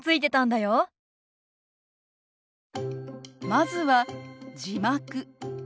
まずは「字幕」。